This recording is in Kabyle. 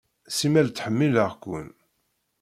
Simmal ttḥemmileɣ-ken.